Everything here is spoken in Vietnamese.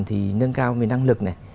thì nâng cao về năng lực này